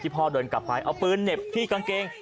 พ่อเดินกลับไปเอาปืนเหน็บที่กางเกง